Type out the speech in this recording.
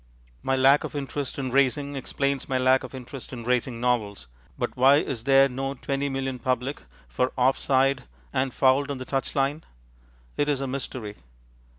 My lack of interest in racing explains my lack of interest in racing novels, but why is there no twenty million public for Off side and Fouled on the Touchline? It is a mystery.